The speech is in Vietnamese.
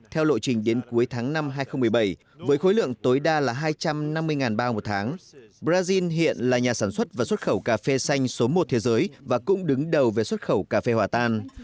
theo lộ trình đến cuối tháng năm hai nghìn một mươi bảy với khối lượng tối đa là hai trăm năm mươi bao một tháng brazil hiện là nhà sản xuất và xuất khẩu cà phê xanh số một thế giới và cũng đứng đầu về xuất khẩu cà phê hòa tan